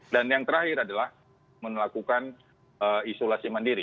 dan yang terakhir adalah melakukan isolasi mandiri